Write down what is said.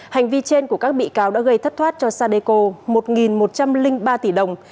hành vi trên của các bị cáo đã gây thất thoát cho sadeco một một trăm linh ba tỷ đồng